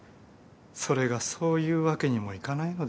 それがそういうわけにもいかないのです。